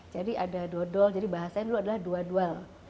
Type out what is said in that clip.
jadi ada dodol jadi bahasanya dulu adalah dua dual